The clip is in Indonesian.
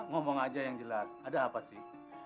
ngomong aja yang jelas ada apa sih